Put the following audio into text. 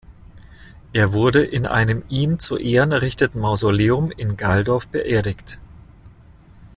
Er wurde in einem ihm zu Ehren errichteten Mausoleum in Gaildorf beerdigt.